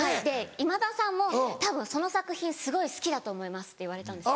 「今田さんもたぶんその作品すごい好きだと思います」って言われたんですよ。